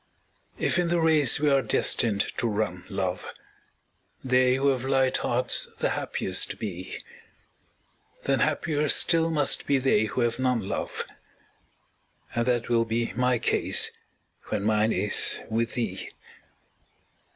If in the race we are destined to run, love, They who have light hearts the happiest be, Then happier still must be they who have none, love. And that will be my case when mine is with thee.